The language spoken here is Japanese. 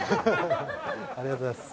ハハッありがとうございます。